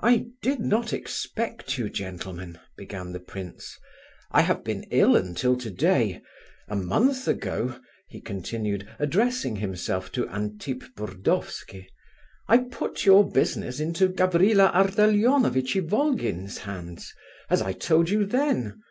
"I did not expect you, gentlemen," began the prince. "I have been ill until to day. A month ago," he continued, addressing himself to Antip Burdovsky, "I put your business into Gavrila Ardalionovitch Ivolgin's hands, as I told you then.